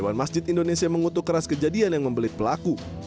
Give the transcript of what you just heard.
dewan masjid indonesia mengutuk keras kejadian yang membelit pelaku